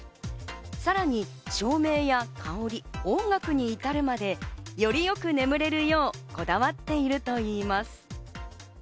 さらに照明や香り、音楽に至るまで、よりよく眠れるようこだわっているといいます。